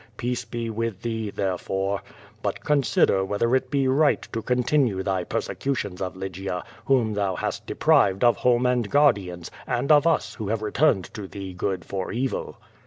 Peace be with thee, therefore. 15ut consider whether it be right to continue thy persecutions of Lygia, whom thou hast de prived of home and guardians, and of us who have returned to thee good for evil."